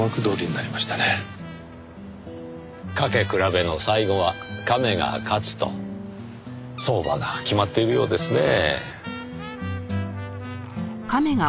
駆け比べの最後はカメが勝つと相場が決まっているようですねぇ。